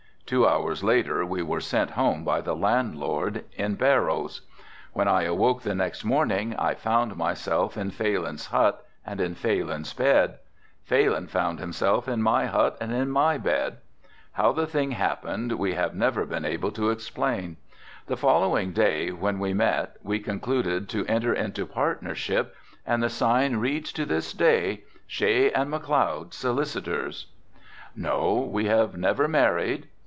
Two hours later we were sent home by the landlord in barrows. When I awoke the next morning I found myself in Phalin's hut and in Phalin's bed. Phalin found himself in my hut and in my bed. How the thing happened we have never been able to explain. The following day when we met we concluded to enter into partnership and the sign reads to this day, Shea & McLeod, solicitors. "No, we have never married."